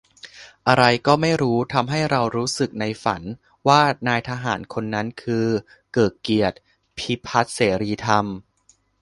อะไรก็ไม่รู้ทำให้เรารู้สึกในฝัน ว่านายทหารคนนั้นคือ เกริกเกียรติ พิพัทธ์เสรีธรรม